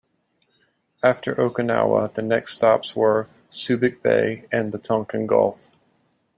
After Okinawa the next stops were, Subic Bay and the Tonkin Gulf.